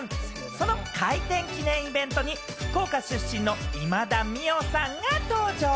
その開店記念イベントに福岡出身の今田美桜さんが登場。